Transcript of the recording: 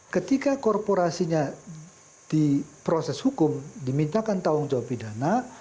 ketika korporasinya diproses hukum dimintakan tanggung jawab pidana